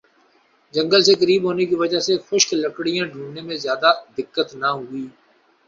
جنگل سے قریب ہونے کی وجہ سے خشک لکڑیاں ڈھونڈنے میں زیادہ دقت نہ ہوئی